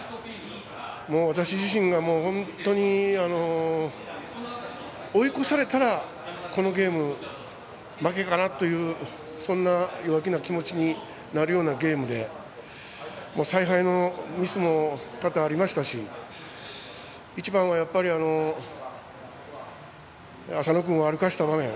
私自身、本当に追い越されたらこのゲーム、負けかなというそんな弱気な気持ちになるようなゲームで采配のミスも多々ありましたし一番はやっぱり浅野君を歩かせた場面。